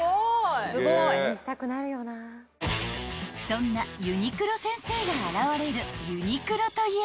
［そんなユニクロ先生が現れる］